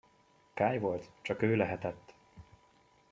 Kay volt, csak ő lehetett!